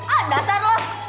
ah datar lo